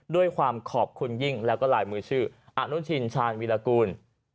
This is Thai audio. ด้วยความขอบคุณยิ่งแล้วก็ลายมือชื่ออนุชินชาญวิรากูล